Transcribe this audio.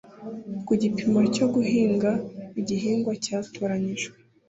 ku gipimo cyo guhinga igihingwa cyatoranijwe